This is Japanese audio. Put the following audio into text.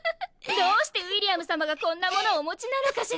どうしてウィリアム様がこんなものをお持ちなのかしら。